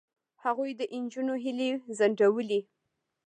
هغوی د نجونو هیلې ځنډولې.